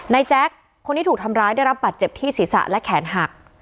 แจ๊คคนที่ถูกทำร้ายได้รับบัตรเจ็บที่ศีรษะและแขนหัก